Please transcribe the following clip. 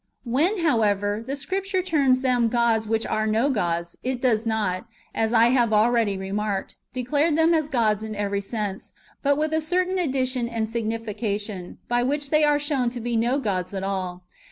When, however, the Scripture terms them [gods] which are no gods, it does not, as I have already remarked, declare them as gods in every sense, but with a certain addition and signification, by which they are shown to be no gods at all.